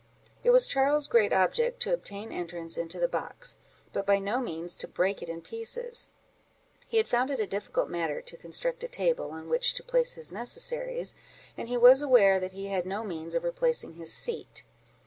It was Charles's great object to obtain entrance into the box, but by no means to break it in pieces; he had found it a difficult matter to construct a table, on which to place his necessaries, and he was aware that he had no means of replacing his seat.